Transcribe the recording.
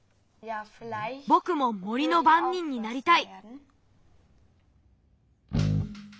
ぼくも森のばんにんになりたい。